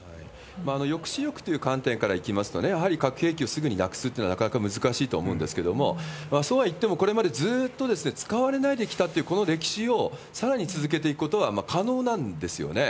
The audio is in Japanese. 抑止力という観点からいきますとね、やはり核兵器をすぐになくすというのはなかなか難しいとは思うんですけれども、そうはいっても、これまでずーっと使われないできたというこの歴史を、さらに続けていくことは可能なんですよね。